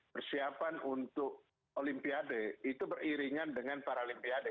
persiapan untuk olimpiade itu beriringan dengan paralimpiade